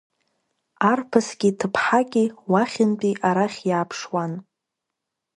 Арԥыски ҭыԥҳаки уахьынтәи арахь иааԥшуан.